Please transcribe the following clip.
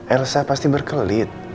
elsa pasti berkelit